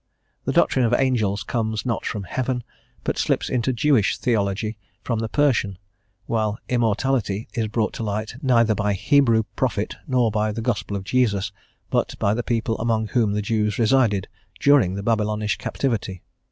The doctrine of angels comes not from heaven, but slips into Jewish theology from the Persian; while immortality is brought to light neither by Hebrew prophet nor by the Gospel of Jesus, but by the people among whom the Jews resided during the Babylonish captivity.